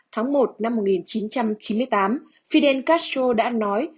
tháng một năm một nghìn chín trăm chín mươi tám fidel castro đã nói